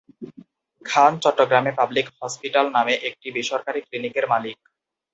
খান চট্টগ্রামে 'public hospital' নামে একটি বেসরকারি ক্লিনিকের মালিক।